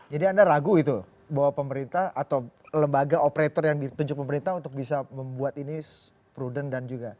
jadi anda ragu itu bahwa pemerintah atau lembaga operator yang ditunjuk pemerintah untuk bisa membuat ini prudent dan juga